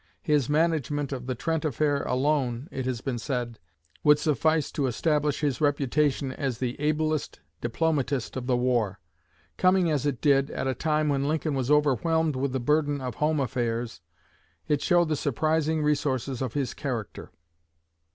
His management of the Trent affair alone, it has been said, would suffice to establish his reputation as the ablest diplomatist of the war. Coming, as it did, at a time when Lincoln was overwhelmed with the burden of home affairs, it showed the surprising resources of his character.